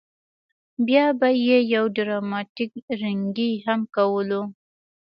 بیا به یې یو ډراماتیک رینګی هم کولو.